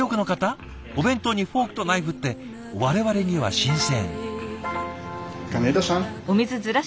お弁当にフォークとナイフって我々には新鮮。